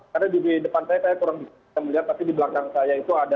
karena di depan saya saya kurang bisa melihat tapi di belakang saya itu ada